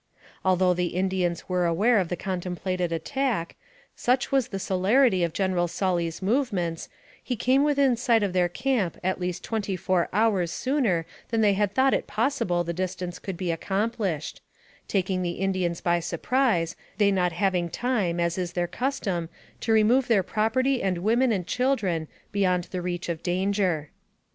Although the Indians were aware of the contemplated attack, such was the celerity of General Sully's movements, he came within sight of their camp at least twenty four hours sooner than they thought it possible the distance could be accomplished, taking the Indians by surprise, they not having time, as is their custom, to remove their property and women and children beyond the reach of danger.